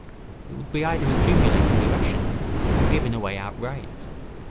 It would be either accumulated irrationally or given away outright.